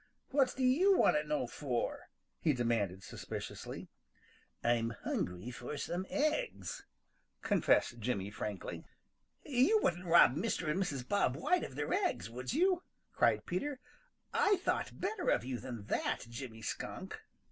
"What do you want to know for?" he demanded suspiciously. "I'm hungry for some eggs," confessed Jimmy frankly. "You wouldn't rob Mr. and Mrs. Bob White of their eggs, would you?" cried Peter. "I thought better of you than that, Jimmy Skunk."